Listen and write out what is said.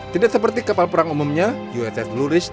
tidak seperti kapal perang umumnya uss blue ridge tidak bisa